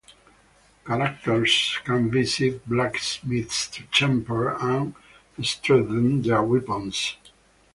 Characters can visit blacksmiths to temper and strengthen their weapons.